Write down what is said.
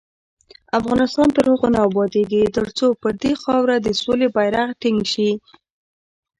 افغانستان تر هغو نه ابادیږي، ترڅو پر دې خاوره د سولې بیرغ ټینګ نشي.